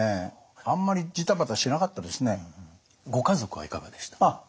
あんまりご家族はいかがでしたか？